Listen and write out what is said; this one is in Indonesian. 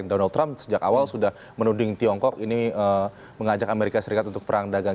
donald trump sejak awal sudah menuding tiongkok ini mengajak amerika serikat untuk perang dagang